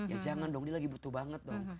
ya jangan dong dia lagi butuh banget dong